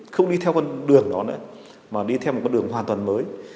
không đi theo con đường đó nữa mà đi theo một con đường hoàn toàn mới